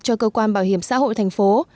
cho cơ quan bảo hiểm xã hội thành phố